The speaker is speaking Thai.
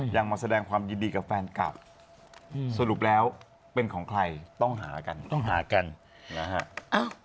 มาแสดงความยินดีกับแฟนคลับสรุปแล้วเป็นของใครต้องหากันต้องหากันนะฮะ